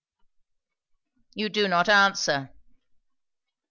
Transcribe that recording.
"You do not answer."